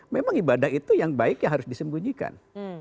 memang ibadah itu yang baik ya harus disembunyikan